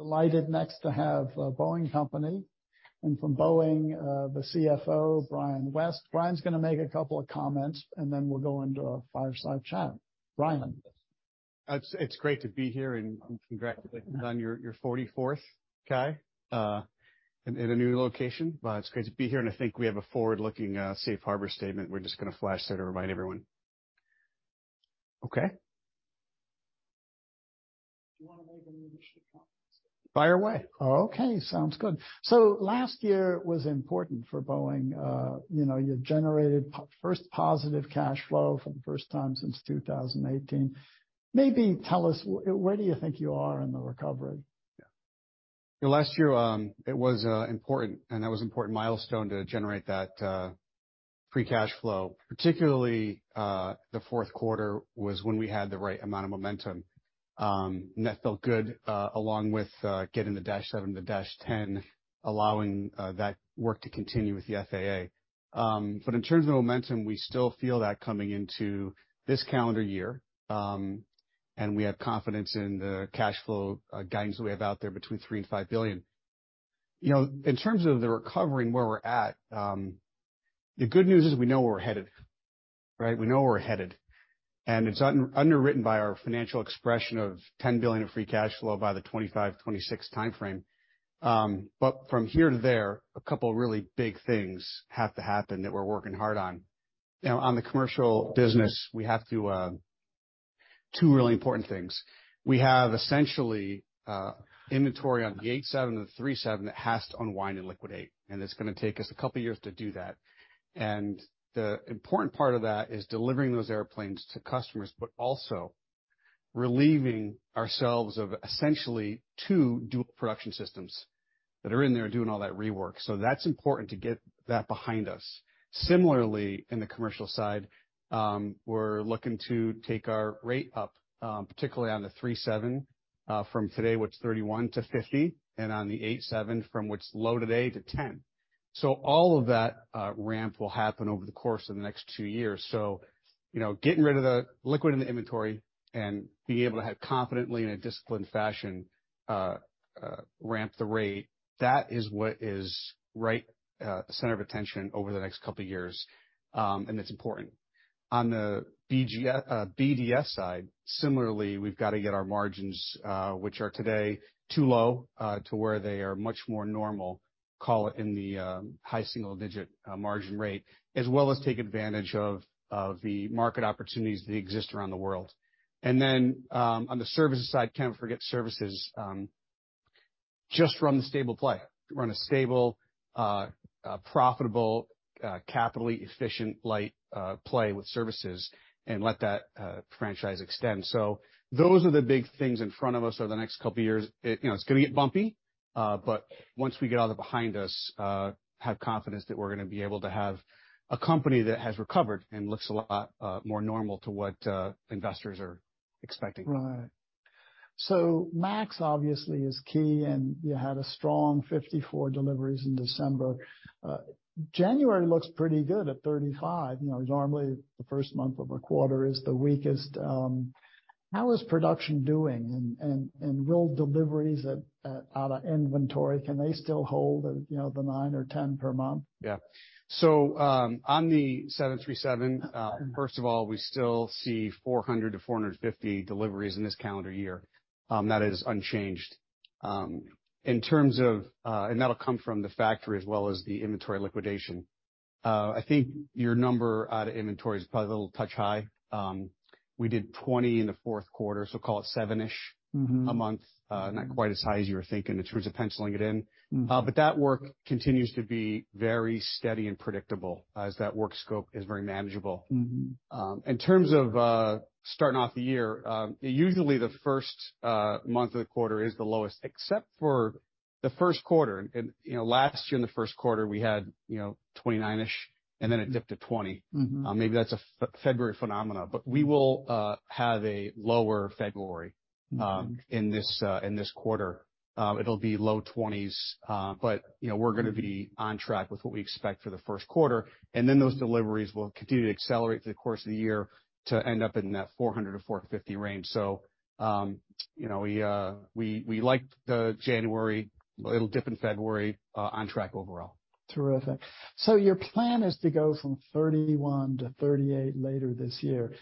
Delighted next to have Boeing Company. From Boeing, the CFO, Brian West. Brian's gonna make a couple of comments, and then we'll go into a fireside chat. Brian? It's great to be here. Congratulations on your forty-fourth, Cai, in a new location. It's great to be here, and I think we have a forward-looking, safe harbor statement we're just gonna flash there to remind everyone. Okay. Do you wanna make an initial comment? Fire away. Okay. Sounds good. Last year was important for Boeing. you know, you generated first positive cash flow for the first time since 2018. Maybe tell us where do you think you are in the recovery? Last year, it was important, and that was an important milestone to generate that free cash flow. Particularly, the fourth quarter was when we had the right amount of momentum, and that felt good, along with getting the MAX 7 and the MAX 10, allowing that work to continue with the FAA. In terms of momentum, we still feel that coming into this calendar year, and we have confidence in the cash flow guidance that we have out there between $3 billion and $5 billion. You know, in terms of the recovery and where we're at, the good news is we know where we're headed. Right? We know where we're headed, and it's underwritten by our financial expression of $10 billion of free cash flow by the 2025/2026 timeframe. From here to there, a couple really big things have to happen that we're working hard on. You know, on the commercial business, we have to, two really important things. We have essentially, inventory on the 787 and the 737 that has to unwind and liquidate, and it's gonna take us a couple years to do that. The important part of that is delivering those airplanes to customers, but also relieving ourselves of essentially 2 dual production systems that are in there doing all that rework. That's important to get that behind us. Similarly, in the commercial side, we're looking to take our rate up, particularly on the 737, from today, which is 31, to 50, and on the 787 from what's low today to 10. All of that ramp will happen over the course of the next 2 years. You know, getting rid of the liquid in the inventory and being able to have confidently in a disciplined fashion, ramp the rate, that is what is right, center of attention over the next couple years. It's important. On the BDS side, similarly, we've got to get our margins, which are today too low, to where they are much more normal, call it in the high single digit margin rate, as well as take advantage of the market opportunities that exist around the world. On the services side, can't forget services, just run the stable play. Run a stable, profitable, capitally efficient light play with services and let that franchise extend. Those are the big things in front of us over the next couple years. You know, it's gonna get bumpy, but once we get all that behind us, have confidence that we're gonna be able to have a company that has recovered and looks a lot more normal to what investors are expecting. MAX obviously is key. You had a strong 54 deliveries in December. January looks pretty good at 35. You know, normally the first month of a quarter is the weakest. How is production doing? Will deliveries out of inventory, can they still hold, you know, the 9 or 10 per month? Yeah. On the 737, first of all, we still see 400-450 deliveries in this calendar year. That is unchanged. In terms of, that'll come from the factory as well as the inventory liquidation. I think your number out of inventory is probably a little touch high. We did 20 in the fourth quarter, call it 7-ish- Mm-hmm. A month. Not quite as high as you were thinking in terms of penciling it in. Mm-hmm. That work continues to be very steady and predictable as that work scope is very manageable. Mm-hmm. In terms of starting off the year, usually the first month of the quarter is the lowest, except for the first quarter. You know, last year in the first quarter, we had, you know, 29-ish, and then it dipped to 20. Mm-hmm. Maybe that's a February phenomena. We will have a lower February- Mm-hmm. In this quarter. It'll be low 20s, but, you know, we're gonna be on track with what we expect for the first quarter, and then those deliveries will continue to accelerate through the course of the year to end up in that 400-450 range. You know, we like the January. It'll dip in February, on track overall. Terrific. Your plan is to go from 31 to 38 later this year.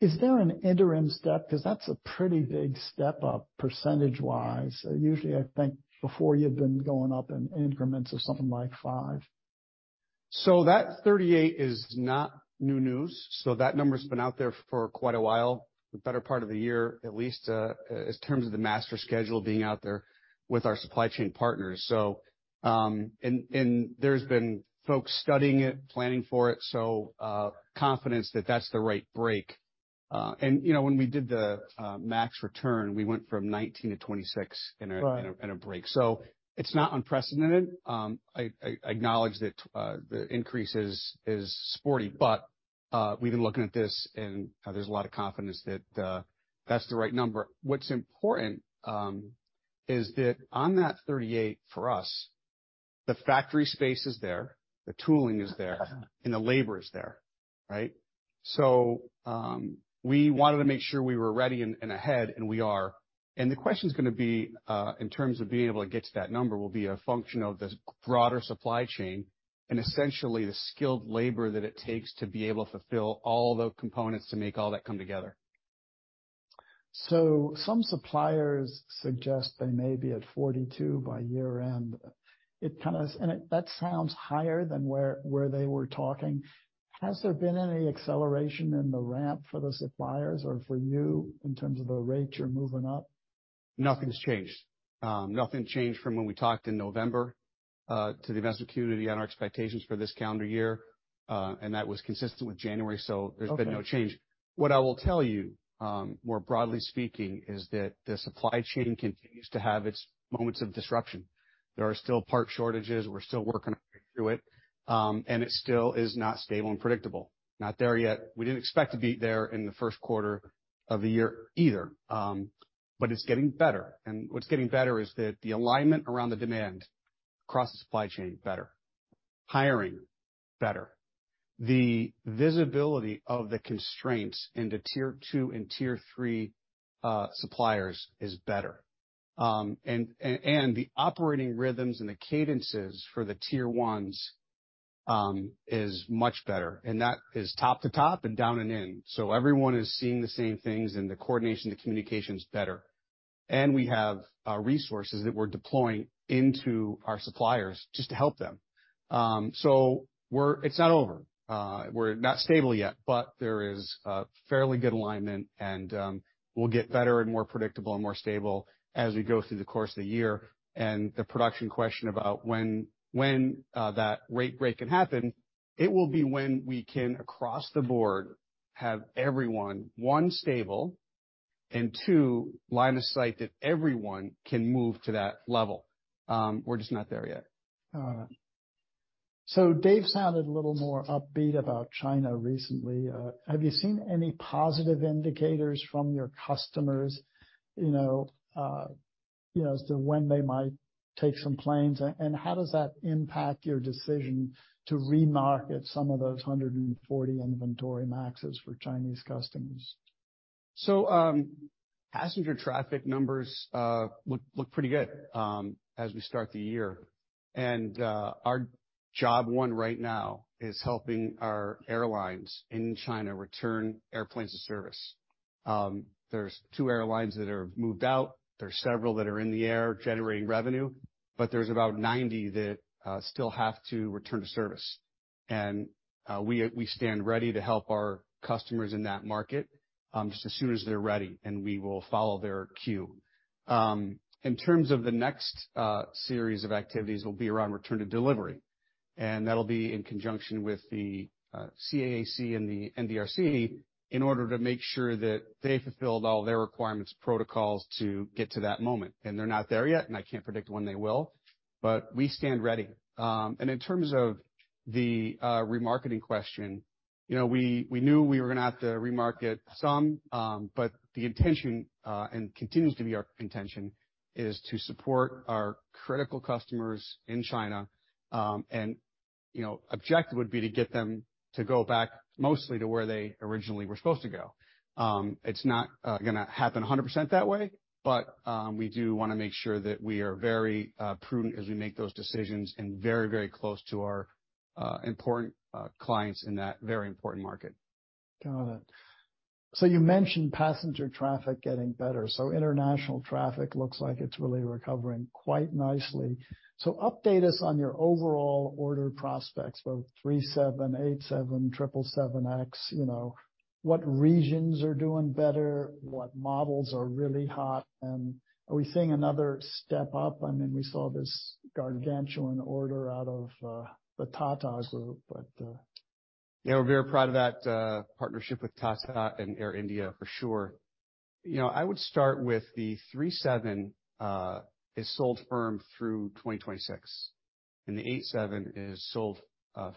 Is there an interim step? 'Cause that's a pretty big step up percentage-wise. Usually, I think before you've been going up in increments of something like five. That 38 is not new news, so that number's been out there for quite a while, the better part of the year at least, in terms of the master schedule being out there with our supply chain partners. There's been folks studying it, planning for it, so, confidence that that's the right break. You know, when we did the MAX return, we went from 19 to 26. Right. In a break. It's not unprecedented. I acknowledge that the increase is sporty, but we've been looking at this and there's a lot of confidence that that's the right number. What's important is that on that 38, for us, the factory space is there, the tooling is there, and the labor is there, right? We wanted to make sure we were ready and ahead, and we are. The question is gonna be in terms of being able to get to that number, will be a function of the broader supply chain and essentially the skilled labor that it takes to be able to fulfill all the components to make all that come together. Some suppliers suggest they may be at 42 by year-end. That sounds higher than where they were talking. Has there been any acceleration in the ramp for the suppliers or for you in terms of the rate you're moving up? Nothing's changed. Nothing changed from when we talked in November to the investor community on our expectations for this calendar year, and that was consistent with January, so there's been no change. What I will tell you, more broadly speaking, is that the supply chain continues to have its moments of disruption. There are still part shortages. We're still working our way through it. It still is not stable and predictable. Not there yet. We didn't expect to be there in the first quarter of the year either. It's getting better. What's getting better is that the alignment around the demand across the supply chain, better. Hiring, better. The visibility of the constraints into tier two and tier three suppliers is better. The operating rhythms and the cadences for the tier ones is much better. That is top to top and down and in. Everyone is seeing the same things and the coordination, the communication's better. We have resources that we're deploying into our suppliers just to help them. It's not over. We're not stable yet, but there is a fairly good alignment and we'll get better and more predictable and more stable as we go through the course of the year. The production question about when that rate break can happen, it will be when we can, across the board, have everyone, 1, stable, and 2, line of sight that everyone can move to that level. We're just not there yet. Got it. Dave sounded a little more upbeat about China recently. Have you seen any positive indicators from your customers, you know, you know, as to when they might take some planes? How does that impact your decision to remarket some of those 140 inventory MAXes for Chinese customers? Passenger traffic numbers look pretty good as we start the year. Our job one right now is helping our airlines in China return airplanes to service. There are 2 airlines that are moved out. There are several that are in the air generating revenue, but there are about 90 that still have to return to service. We stand ready to help our customers in that market just as soon as they are ready, and we will follow their cue. In terms of the next series of activities will be around return to delivery, and that will be in conjunction with the CAAC and the NDRC in order to make sure that they have fulfilled all their requirements, protocols to get to that moment. They are not there yet, and I cannot predict when they will, but we stand ready. In terms of the remarketing question, you know, we knew we were gonna have to remarket some, but the intention and continues to be our intention is to support our critical customers in China. You know, objective would be to get them to go back mostly to where they originally were supposed to go. It's not gonna happen 100% that way, but we do wanna make sure that we are very prudent as we make those decisions and very, very close to our important clients in that very important market. Got it. You mentioned passenger traffic getting better. International traffic looks like it's really recovering quite nicely. Update us on your overall order prospects for 737, 787, 777X. You know, what regions are doing better? What models are really hot? Are we seeing another step up? I mean, we saw this gargantuan order out of the Tata Group. Yeah, we're very proud of that, partnership with Tata and Air India for sure. You know, I would start with the 737, is sold firm through 2026, and the 787 is sold,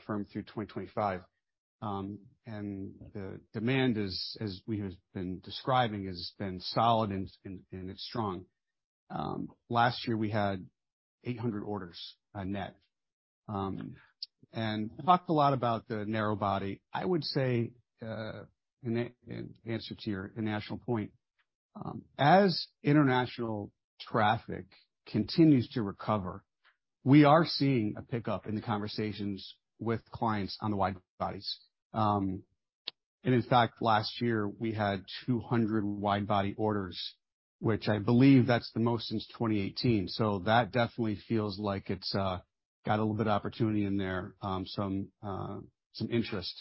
firm through 2025. The demand is, as we have been describing, has been solid and it's strong. Last year we had 800 orders, net. Talked a lot about the narrow body. I would say, in answer to your international point, as international traffic continues to recover, we are seeing a pickup in the conversations with clients on the wide bodies. In fact, last year we had 200 wide body orders, which I believe that's the most since 2018. That definitely feels like it's got a little bit of opportunity in there, some interest.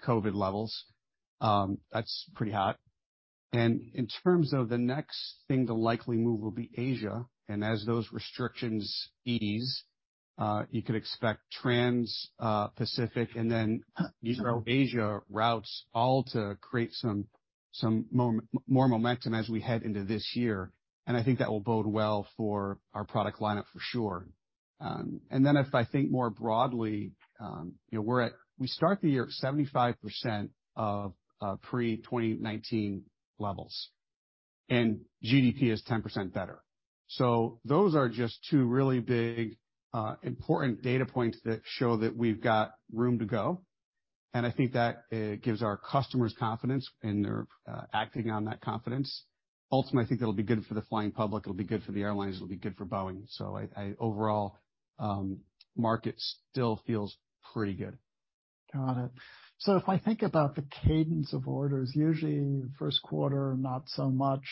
Then more broadly, you look at traffic largely, trans-Atlantic is back to pre-COVID levels. That's pretty hot. In terms of the next thing, the likely move will be Asia. As those restrictions ease, you could expect trans Pacific and then Asia routes all to create some more momentum as we head into this year. I think that will bode well for our product lineup for sure. Then if I think more broadly, you know, we start the year at 75% of pre-2019 levels, and GDP is 10% better. Those are just two really big, important data points that show that we've got room to go, and I think that it gives our customers confidence and they're acting on that confidence. Ultimately, I think it'll be good for the flying public, it'll be good for the airlines, it'll be good for Boeing. Overall, market still feels pretty good. Got it. If I think about the cadence of orders, usually first quarter not so much,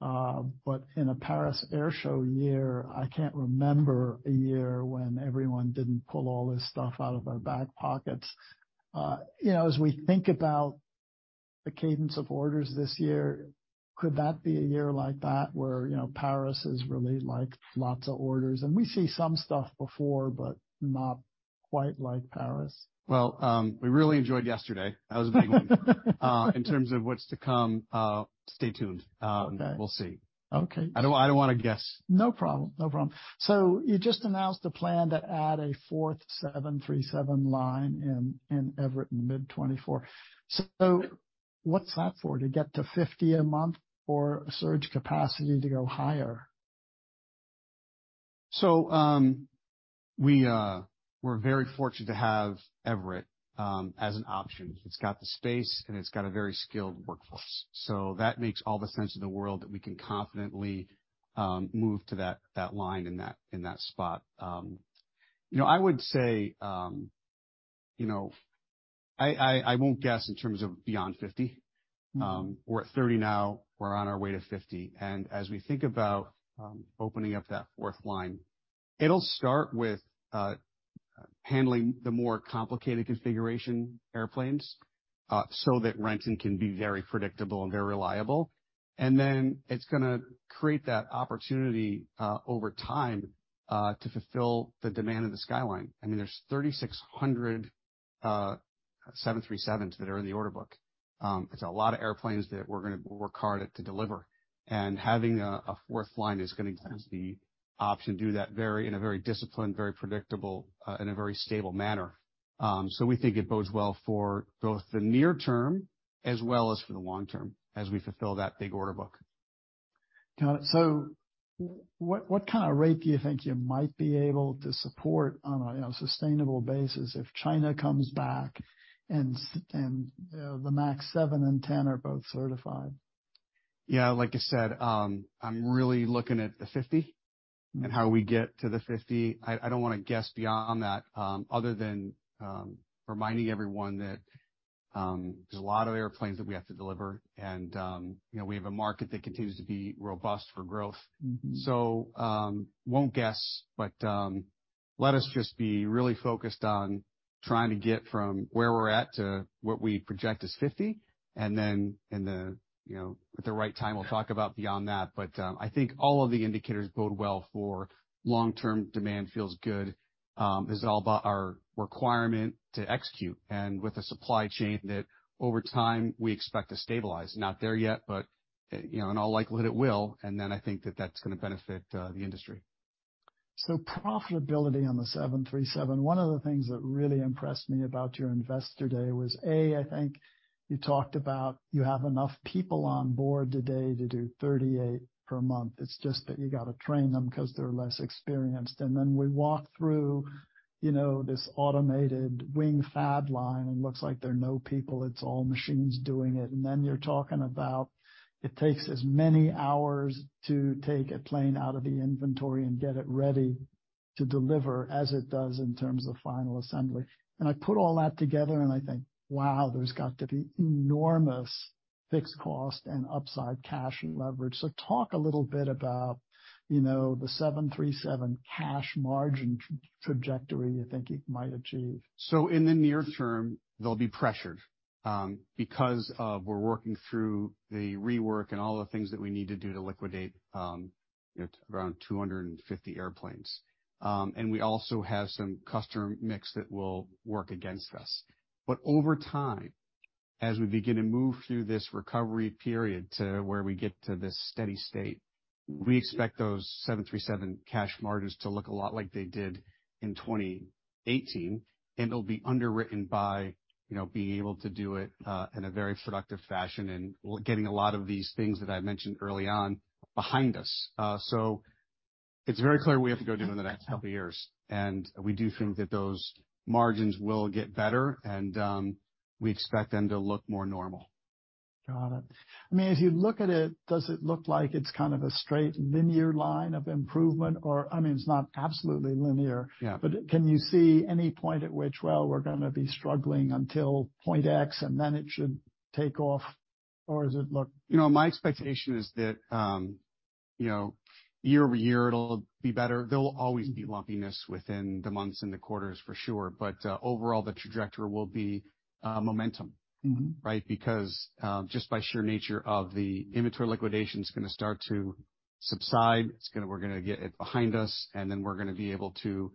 but in a Paris Air Show year, I can't remember a year when everyone didn't pull all this stuff out of their back pockets. you know, as we think about the cadence of orders this year, could that be a year like that where, you know, Paris is really, like, lots of orders? We see some stuff before, but not quite like Paris. Well, we really enjoyed yesterday. That was a big one. In terms of what's to come, stay tuned. Okay. We'll see. Okay. I don't wanna guess. No problem. No problem. You just announced a plan to add a fourth 737 line in Everett in mid 2024. What's that for? To get to 50 a month or a surge capacity to go higher? We're very fortunate to have Everett as an option. It's got the space, and it's got a very skilled workforce. That makes all the sense in the world that we can confidently move to that line in that spot. You know, I would say, you know, I won't guess in terms of beyond 50. We're at 30 now, we're on our way to 50, and as we think about opening up that fourth line, it'll start with handling the more complicated configuration airplanes so that Renton can be very predictable and very reliable. It's gonna create that opportunity over time to fulfill the demand of the skyline. I mean, there's 3,600 737s that are in the order book. It's a lot of airplanes that we're gonna work hard at to deliver. Having a fourth line is gonna give us the option to do that very, in a very disciplined, very predictable, in a very stable manner. We think it bodes well for both the near term as well as for the long term as we fulfill that big order book. Got it. What kind of rate do you think you might be able to support on a sustainable basis if China comes back and, you know, the MAX 7 and 10 are both certified? Yeah. Like I said, I'm really looking at the 50 and how we get to the 50. I don't wanna guess beyond that, other than reminding everyone that there's a lot of airplanes that we have to deliver and, you know, we have a market that continues to be robust for growth. Mm-hmm. Won't guess, let us just be really focused on trying to get from where we're at to what we project as 50, and then in the, you know, at the right time, we'll talk about beyond that. I think all of the indicators bode well for long-term demand feels good, is all about our requirement to execute and with a supply chain that over time we expect to stabilize. Not there yet, but, you know, in all likelihood it will, I think that that's gonna benefit the industry. Profitability on the 737, one of the things that really impressed me about your Investor Day was, A, I think you talked about you have enough people on board today to do 38 per month. It's just that you gotta train them 'cause they're less experienced. Then we walk through, you know, this automated wing FAD line, and looks like there are no people, it's all machines doing it. Then you're talking about it takes as many hours to take a plane out of the inventory and get it ready to deliver as it does in terms of final assembly. I put all that together and I think, wow, there's got to be enormous fixed cost and upside cash leverage. Talk a little bit about, you know, the 737 cash margin trajectory you think you might achieve. In the near term, they'll be pressured, because of we're working through the rework and all the things that we need to do to liquidate, you know, around 250 airplanes. We also have some customer mix that will work against us. Over time, as we begin to move through this recovery period to where we get to this steady state, we expect those 737 cash margins to look a lot like they did in 2018, and it'll be underwritten by, you know, being able to do it in a very productive fashion and getting a lot of these things that I mentioned early on behind us. It's very clear we have to go do in the next couple of years, and we do think that those margins will get better and we expect them to look more normal. Got it. I mean, as you look at it, does it look like it's kind of a straight linear line of improvement? Or, I mean, it's not absolutely linear. Yeah. Can you see any point at which, well, we're gonna be struggling until point X, and then it should take off? You know, my expectation is that, you know, year-over-year it'll be better. There will always be lumpiness within the months and the quarters for sure, but, overall the trajectory will be, momentum. Mm-hmm. Right? Just by sheer nature of the inventory liquidation is gonna start to subside, we're gonna get it behind us, and then we're gonna be able to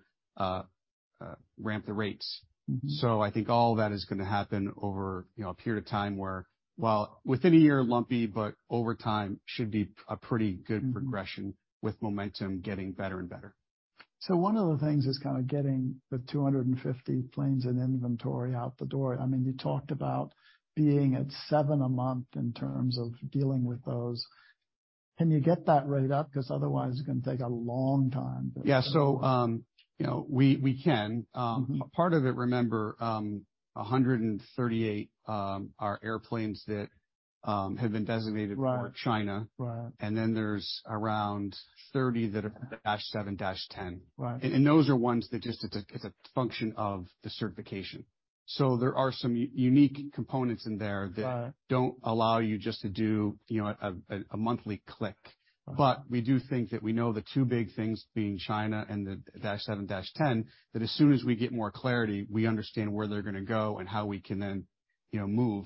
ramp the rates. Mm-hmm. I think all that is gonna happen over, you know, a period of time where while within a year lumpy, but over time should be a pretty good-. Mm-hmm. Progression with momentum getting better and better. One of the things is kinda getting the 250 planes in inventory out the door. I mean, you talked about being at 7 a month in terms of dealing with those. Can you get that rate up? Because otherwise, it's gonna take a long time to. Yeah. You know, we can. Mm-hmm. Part of it, remember, 138, are airplanes that, have been designated. Right. for China. Right. There's around 30 that are -7, -10. Right. Those are ones that just, it's a, it's a function of the certification. There are some unique components in there. Right. that don't allow you just to do, you know, a monthly click. Right. We do think that we know the two big things, being China and the dash 7, dash 10, that as soon as we get more clarity, we understand where they're gonna go and how we can then, you know, move.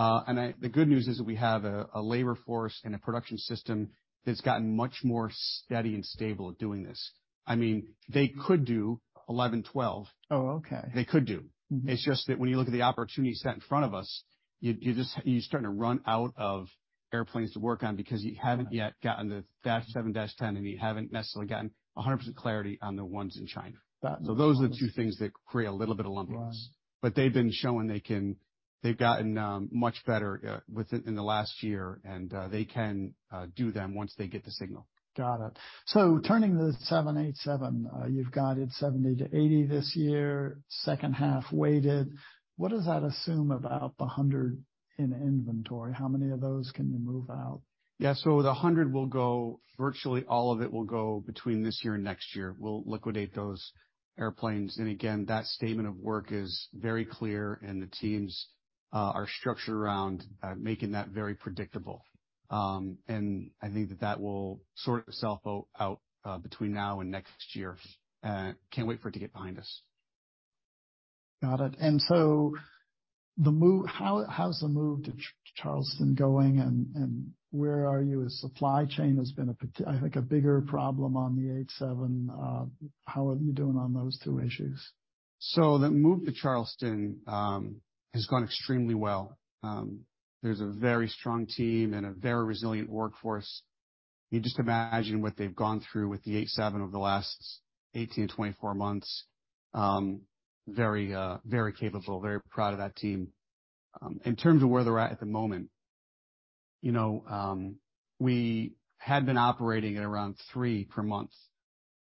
And the good news is that we have a labor force and a production system that's gotten much more steady and stable at doing this. I mean, they could do 11, 12. Oh, okay. They could do. Mm-hmm. It's just that when you look at the opportunity set in front of us, you just, you're starting to run out of airplanes to work on because you haven't yet gotten the dash seven, dash ten, and you haven't necessarily gotten 100% clarity on the ones in China. Got it. Those are the two things that create a little bit of lumpiness. Right. They've gotten much better with it in the last year, and they can do them once they get the signal. Got it. Turning to the 787, you've guided 70-80 this year, second half weighted. What does that assume about the 100 in inventory? How many of those can you move out? Yeah. The 100 will go, virtually all of it will go between this year and next year. We'll liquidate those airplanes. Again, that statement of work is very clear, and the teams are structured around making that very predictable. I think that that will sort itself out between now and next year. Can't wait for it to get behind us. Got it. How's the move to Charleston going, and where are you as supply chain has been I think a bigger problem on the 787. How are you doing on those two issues? The move to Charleston has gone extremely well. There's a very strong team and a very resilient workforce. You just imagine what they've gone through with the 787 over the last 18-24 months. Very, very capable, very proud of that team. In terms of where they're at at the moment, you know, we had been operating at around 3 per month,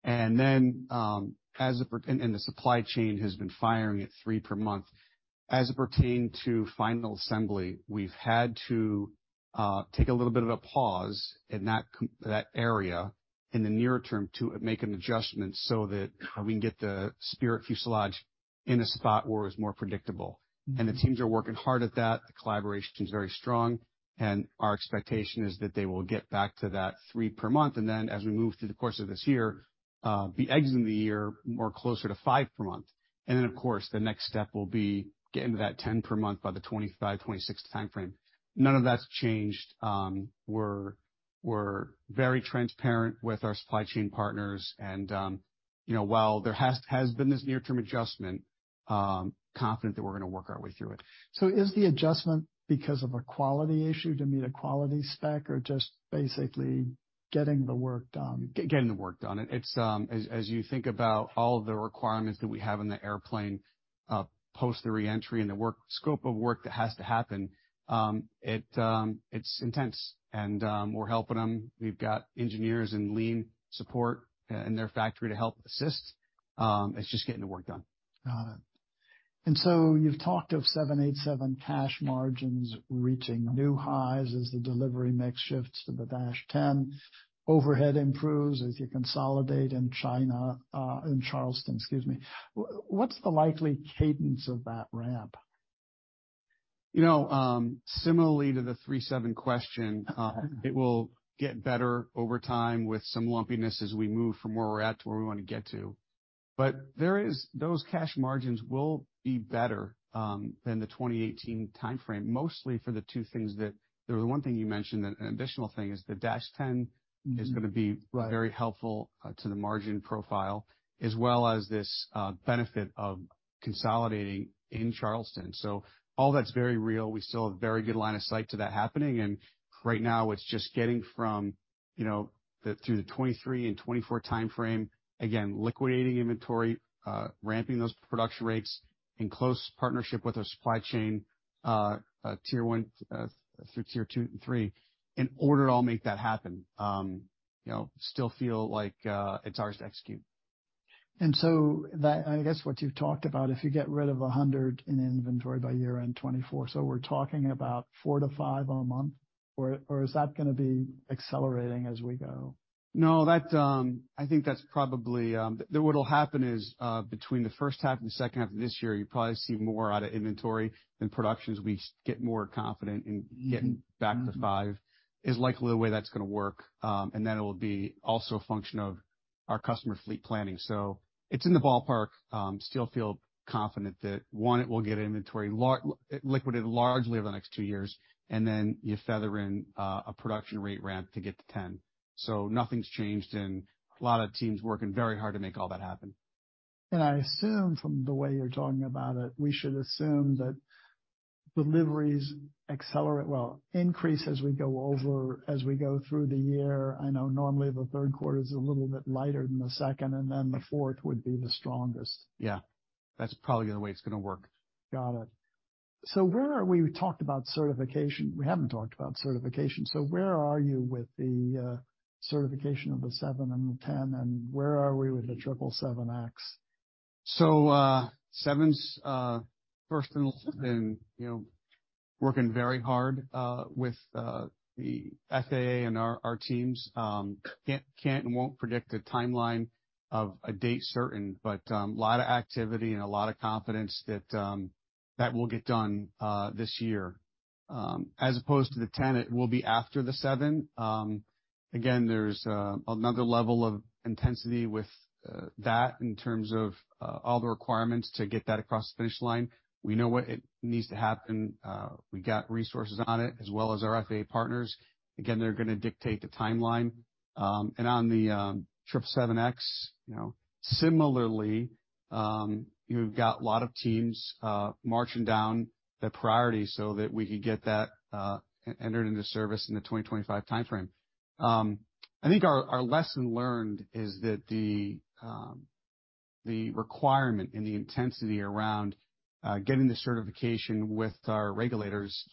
and then, the supply chain has been firing at 3 per month. As it pertained to final assembly, we've had to take a little bit of a pause in that area in the near term to make an adjustment so that we can get the Spirit fuselage in a spot where it's more predictable. Mm-hmm. The teams are working hard at that. The collaboration team's very strong, and our expectation is that they will get back to that 3 per month, and then as we move through the course of this year, be exiting the year more closer to 5 per month. Of course, the next step will be getting to that 10 per month by the 2025, 2026 timeframe. None of that's changed. We're very transparent with our supply chain partners and, you know, while there has been this near-term adjustment, confident that we're gonna work our way through it. Is the adjustment because of a quality issue to meet a quality spec or just basically getting the work done? Getting the work done. It's as you think about all the requirements that we have in the airplane, post the re-entry and the scope of work that has to happen, it's intense and we're helping them. We've got engineers and lean support in their factory to help assist. It's just getting the work done. Got it. You've talked of 787 cash margins reaching new highs as the delivery mix shifts to the dash ten. Overhead improves as you consolidate in Charleston, excuse me. What's the likely cadence of that ramp? You know, similarly to the 737 question- Uh-huh. It will get better over time with some lumpiness as we move from where we're at to where we wanna get to. There is, those cash margins will be better than the 2018 timeframe, mostly for the two things that. There was one thing you mentioned, an additional thing is the dash 10. Mm-hmm. is gonna be Right. very helpful to the margin profile, as well as this benefit of consolidating in Charleston. All that's very real. We still have very good line of sight to that happening, and right now, it's just getting from, you know, through the 2023 and 2024 timeframe, again, liquidating inventory, ramping those production rates in close partnership with our supply chain, tier one, through tier two and three, in order to all make that happen. You know, still feel like, it's ours to execute. That, I guess what you've talked about, if you get rid of 100 in inventory by year-end 2024, so we're talking about 4-5 a month? Or is that gonna be accelerating as we go? I think that's probably. What'll happen is, between the first half and the second half of this year, you'll probably see more out of inventory and production as we get more confident in getting back to 5, is likely the way that's gonna work. And then it will be also a function of our customer fleet planning. It's in the ballpark. Still feel confident that, one, it will get inventory liquidated largely over the next 2 years, and then you feather in a production rate ramp to get to 10. Nothing's changed, and a lot of teams working very hard to make all that happen. I assume from the way you're talking about it, we should assume that deliveries well, increase as we go over, as we go through the year. I know normally the third quarter is a little bit lighter than the second, and then the fourth would be the strongest. Yeah, that's probably the way it's gonna work. Got it. Where are we? We talked about certification. We haven't talked about certification. Where are you with the certification of the Seven and the Ten, and where are we with the 777X? 7's first and, you know, working very hard with the FAA and our teams. Can't and won't predict a timeline of a date certain, but a lot of activity and a lot of confidence that that will get done this year, as opposed to the 10, it will be after the 7. Again, there's another level of intensity with that in terms of all the requirements to get that across the finish line. We know what it needs to happen. We got resources on it as well as our FAA partners. Again, they're gonna dictate the timeline. On the 777X, you know, similarly, you've got a lot of teams marching down the priority so that we can get that entered into service in the 2025 timeframe. I think our lesson learned is that the requirement and the intensity around getting the certification with our regulators,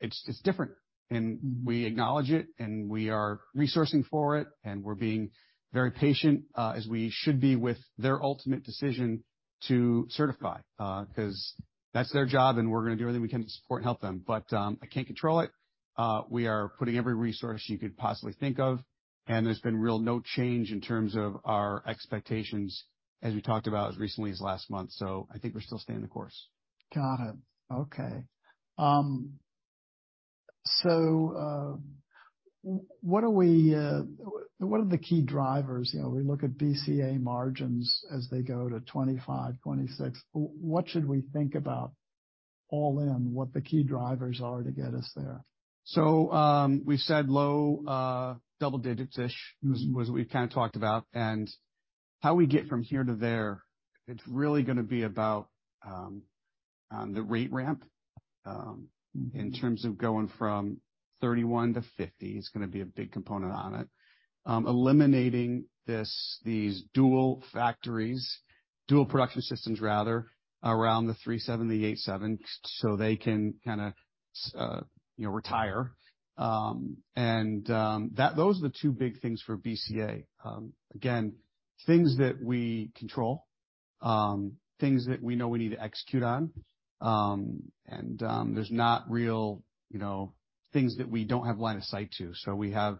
it's different and we acknowledge it, and we are resourcing for it, and we're being very patient, as we should be with their ultimate decision to certify, cause that's their job, and we're gonna do everything we can to support and help them. I can't control it. We are putting every resource you could possibly think of, and there's been real no change in terms of our expectations as we talked about as recently as last month. I think we're still staying the course. Got it. Okay. What are we, what are the key drivers? You know, we look at BCA margins as they go to 25, 26. What should we think about all in, what the key drivers are to get us there? We said low double digits-ish was we kinda talked about and how we get from here to there, it's really gonna be about the rate ramp in terms of going from 31 to 50 is gonna be a big component on it. Eliminating this, these dual factories, dual production systems rather around the 737, the 787, so they can kinda you know, retire. Those are the two big things for BCA. Again, things that we control, things that we know we need to execute on. There's not real, you know, things that we don't have line of sight to. We have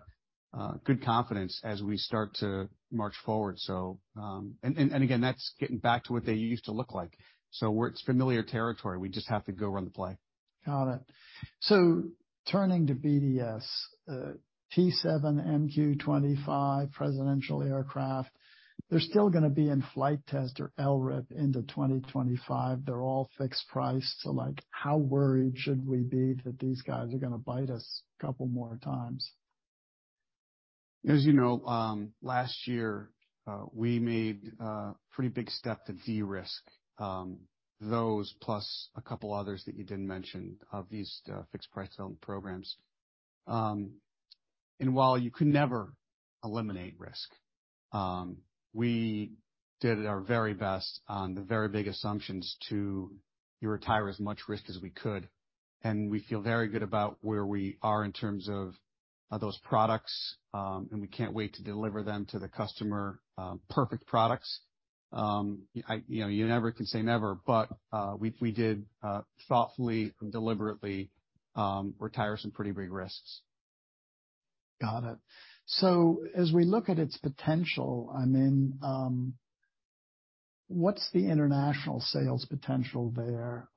good confidence as we start to march forward. Again, that's getting back to what they used to look like. It's familiar territory. We just have to go run the play. Got it. Turning to BDS, T-7, MQ-25, presidential aircraft, they're still gonna be in flight test or LRIP into 2025. They're all fixed price. Like how worried should we be that these guys are gonna bite us a couple more times? As you know, last year, we made a pretty big step to de-risk, those plus a couple others that you didn't mention of these fixed price programs. While you can never eliminate risk, we did our very best on the very big assumptions to retire as much risk as we could, and we feel very good about where we are in terms of those products, and we can't wait to deliver them to the customer. Perfect products. I, you know, you never can say never, but we did thoughtfully and deliberately retire some pretty big risks. Got it. As we look at its potential, I mean, what's the international sales potential there?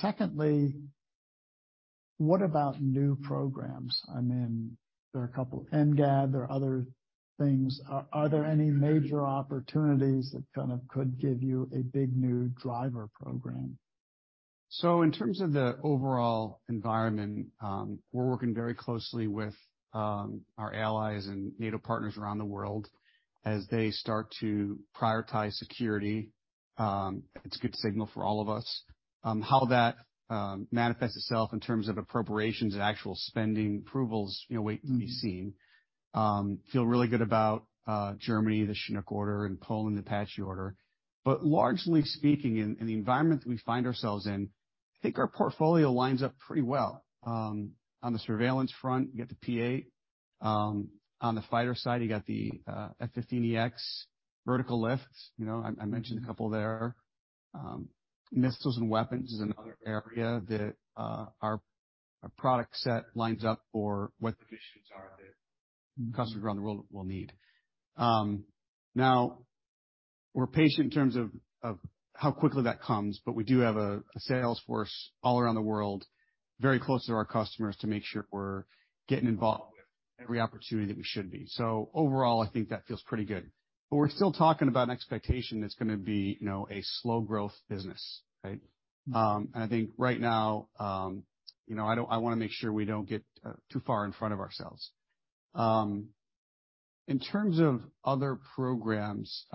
Secondly, what about new programs? I mean, there are a couple, NGAD, there are other things. Are there any major opportunities that kind of could give you a big new driver program? In terms of the overall environment, we're working very closely with our allies and NATO partners around the world as they start to prioritize security. It's a good signal for all of us, how that manifests itself in terms of appropriations and actual spending approvals, you know, wait to be seen. Feel really good about Germany, the Chinook order, and Poland Apache order. Largely speaking, in the environment that we find ourselves in, I think our portfolio lines up pretty well. On the surveillance front, you got the P-8. On the fighter side, you got the F-15EX vertical lift. You know, I mentioned a couple there. Missiles and weapons is another area that our product set lines up for what the issues are that customers around the world will need. Now we're patient in terms of how quickly that comes, but we do have a sales force all around the world, very close to our customers to make sure we're getting involved with every opportunity that we should be. Overall, I think that feels pretty good, but we're still talking about an expectation that's gonna be, you know, a slow growth business, right? I think right now, you know, I wanna make sure we don't get too far in front of ourselves. In terms of other programs,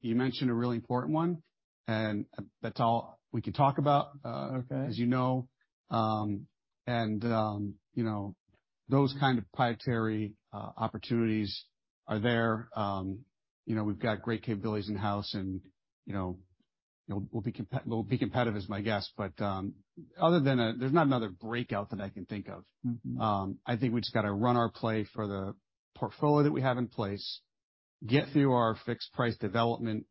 you mentioned a really important one, and that's all we can talk about. Okay. As you know. You know, those kind of proprietary opportunities are there. You know, we've got great capabilities in-house, and, you know, we'll be competitive is my guess. Other than that, there's not another breakout that I can think of. Mm-hmm. I think we just got to run our play for the portfolio that we have in place, get through our fixed price development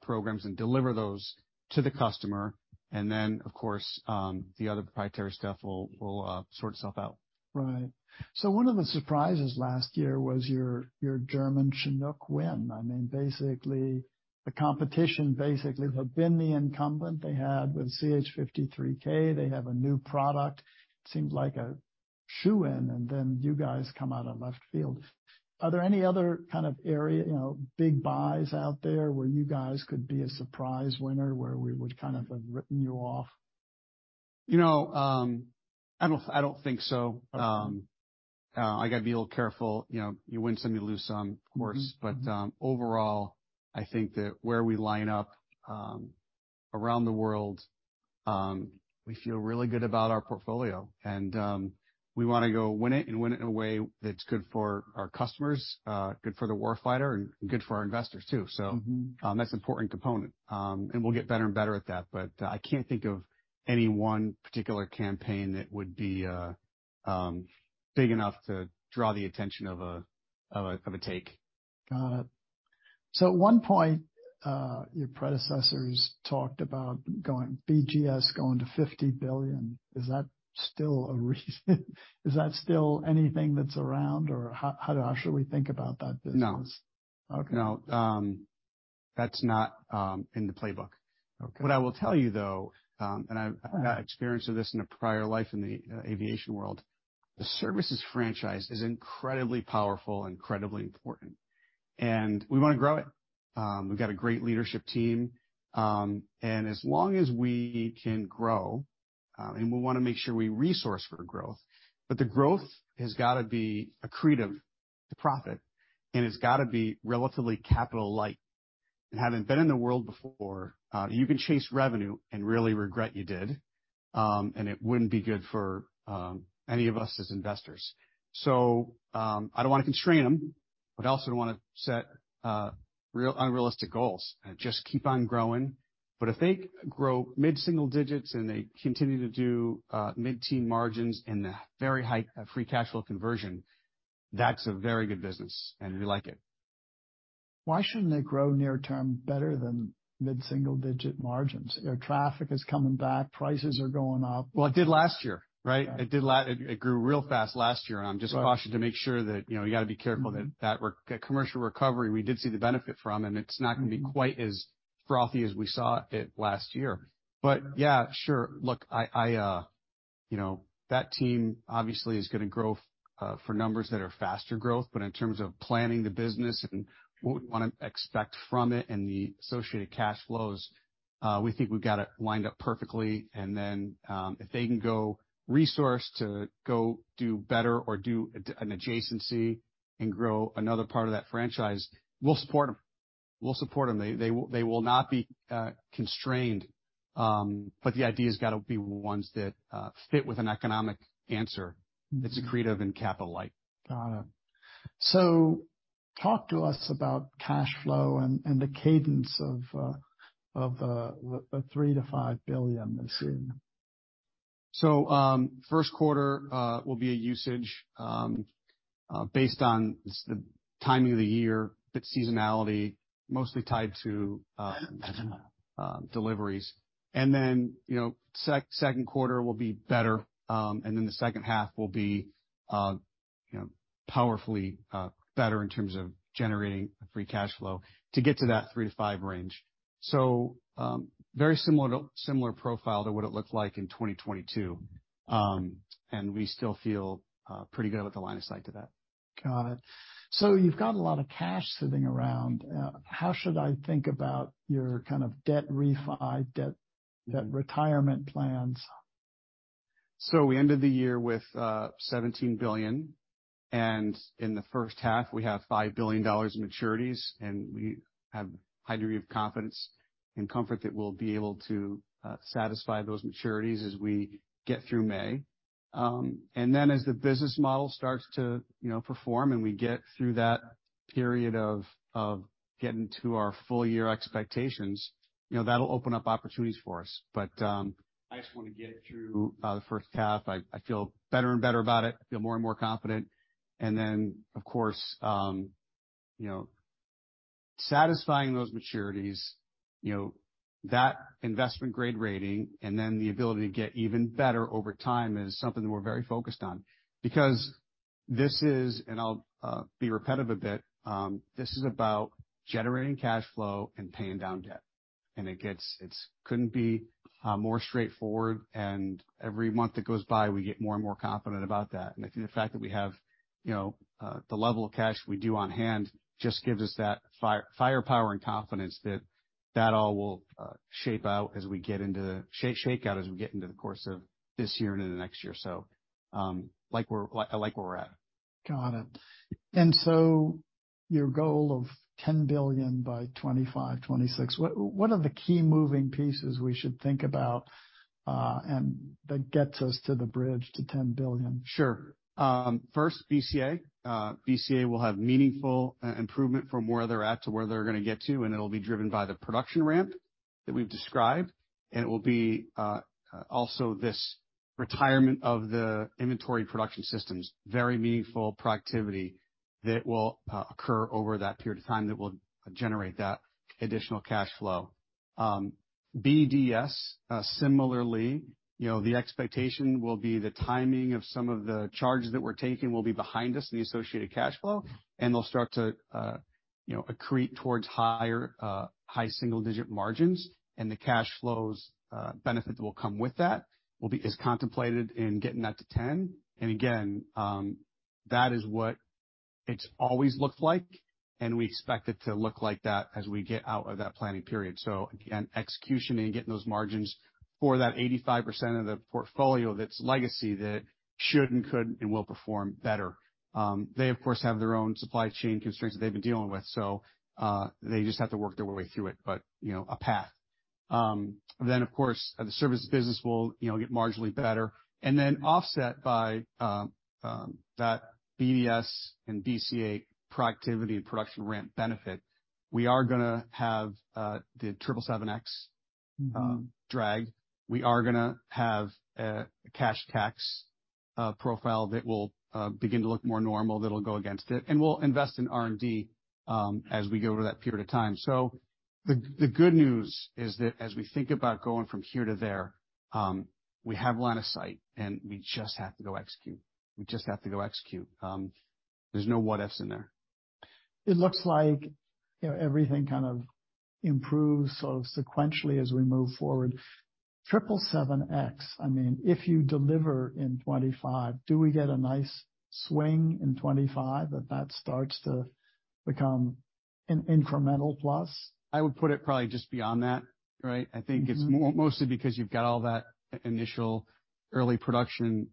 programs and deliver those to the customer. Then, of course, the other proprietary stuff will sort itself out. Right. One of the surprises last year was your German Chinook win. I mean, basically, the competition basically had been the incumbent they had with CH-53K. They have a new product, seems like a shoo-in, you guys come out of left field. Are there any other kind of area, you know, big buys out there where you guys could be a surprise winner, where we would kind of have written you off? You know, I don't think so. I gotta be a little careful. You know, you win some, you lose some, of course. Mm-hmm. Overall, I think that where we line up, around the world, we feel really good about our portfolio and, we wanna go win it and win it in a way that's good for our customers, good for the warfighter, and good for our investors, too. Mm-hmm. That's an important component. We'll get better and better at that, but I can't think of any one particular campaign that would be big enough to draw the attention of a, of a, of a take. Got it. At one point, your predecessors talked about BGS going to $50 billion. Is that still a reason? Is that still anything that's around, or how should we think about that business? No. Okay. No, that's not in the playbook. Okay. What I will tell you, though, I've had experience with this in a prior life in the aviation world, the services franchise is incredibly powerful and incredibly important, and we wanna grow it. We've got a great leadership team. As long as we can grow, and we wanna make sure we resource for growth. The growth has gotta be accretive to profit, and it's gotta be relatively capital light. Having been in the world before, you can chase revenue and really regret you did, and it wouldn't be good for any of us as investors. I don't wanna constrain them, but I also don't wanna set unrealistic goals and just keep on growing. If they grow mid-single digits and they continue to do, mid-teen margins and a very high free cash flow conversion, that's a very good business, and we like it. Why shouldn't they grow near term better than mid-single-digit margins? Air traffic is coming back, prices are going up. Well, it did last year, right? Right. It grew real fast last year, and I'm just cautioned to make sure that, you know, you gotta be careful that that commercial recovery we did see the benefit from, and it's not gonna be quite as frothy as we saw it last year. Yeah, sure. Look, I, you know, that team obviously is gonna grow for numbers that are faster growth. In terms of planning the business and what we wanna expect from it and the associated cash flows, we think we've got it lined up perfectly. If they can go resource to go do better or do an adjacency and grow another part of that franchise, we'll support them. We'll support them. They will not be constrained. The idea has gotta be ones that fit with an economic answer that's accretive and capital light. Got it. Talk to us about cash flow and the cadence of the $3 billion-$5 billion that's in. First quarter will be a usage based on the timing of the year, bit seasonality, mostly tied to deliveries. You know, second quarter will be better. The second half will be, you know, powerfully better in terms of generating free cash flow to get to that 3 to 5 range. Very similar to similar profile to what it looked like in 2022. We still feel pretty good about the line of sight to that. Got it. You've got a lot of cash sitting around. How should I think about your kind of debt retirement plans? We ended the year with $17 billion, and in the first half, we have $5 billion in maturities, and we have high degree of confidence and comfort that we'll be able to satisfy those maturities as we get through May. As the business model starts to, you know, perform and we get through that period of getting to our full year expectations, you know, that'll open up opportunities for us. I just wanna get through the first half. I feel better and better about it. I feel more and more confident. Then, of course, you know, satisfying those maturities, you know, that investment grade rating and then the ability to get even better over time is something we're very focused on because this is, and I'll be repetitive a bit, this is about generating cash flow and paying down debt. It gets, it's couldn't be more straightforward, and every month that goes by, we get more and more confident about that. I think the fact that we have, you know, the level of cash we do on hand just gives us that firepower and confidence that all will shake out as we get into the course of this year and into next year. Like we're, like where we're at. Got it. Your goal of $10 billion by 2025, 2026, what are the key moving pieces we should think about, and that gets us to the bridge to $10 billion? Sure. First, BCA. BCA will have meaningful improvement from where they're at to where they're gonna get to, and it'll be driven by the production ramp that we've described, and it will be also this retirement of the inventory production systems. Very meaningful productivity that will occur over that period of time that will generate that additional cash flow. BDS, similarly, you know, the expectation will be the timing of some of the charges that we're taking will be behind us in the associated cash flow. They'll start to, you know, accrete towards higher, high single-digit margins, and the cash flows benefit that will come with that will be as contemplated in getting that to 10. Again, that is what it's always looked like, and we expect it to look like that as we get out of that planning period. Again, execution and getting those margins for that 85% of the portfolio that's legacy that should and could and will perform better. They of course, have their own supply chain constraints that they've been dealing with, so they just have to work their way through it, but, you know, a path. Then of course, the services business will, you know, get marginally better. Then offset by that BDS and BCA productivity and production ramp benefit, we are gonna have the 777X drag. We are gonna have a cash cap profile that will begin to look more normal, that'll go against it, and we'll invest in R&D as we go to that period of time. The good news is that as we think about going from here to there, we have line of sight, and we just have to go execute. We just have to go execute. There's no what-ifs in there. It looks like, you know, everything kind of improves sort of sequentially as we move forward. 777X, I mean, if you deliver in 25, do we get a nice swing in 25 that starts to become an incremental plus? I would put it probably just beyond that, right? Mmmmh I think it's mostly because you've got all that initial early production,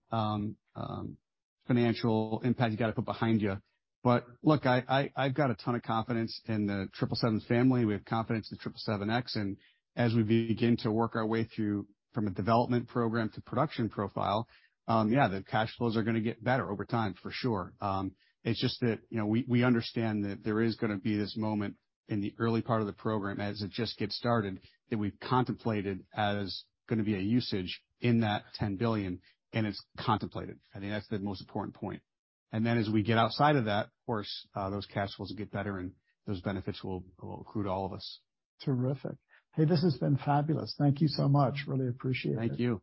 financial impact you gotta put behind you. Look, I've got a ton of confidence in the 777 family. We have confidence in the 777X. As we begin to work our way through from a development program to production profile, yeah, the cash flows are gonna get better over time, for sure. It's just that, you know, we understand that there is gonna be this moment in the early part of the program as it just gets started that we've contemplated as gonna be a usage in that $10 billion, and it's contemplated. I think that's the most important point. As we get outside of that, of course, those cash flows will get better, and those benefits will accrue to all of us. Terrific. Hey, this has been fabulous. Thank you so much. Really appreciate it. Thank you.